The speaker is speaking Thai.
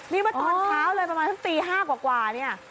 นี่เมื่อตอนเช้าเลยประมาณสักตี๕กว่าเนี่ย